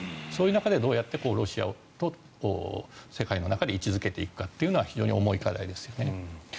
そういう中でどうやってロシアを世界の中で位置付けていくかというのは非常に重い課題ですね。